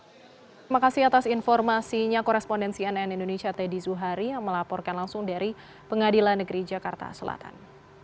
terima kasih atas informasinya korespondensi nn indonesia teddy zuhari yang melaporkan langsung dari pengadilan negeri jakarta selatan